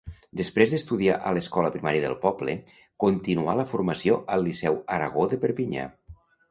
Després d'estudiar a l'escola primària del poble, continuà la formació al liceu Aragó de Perpinyà.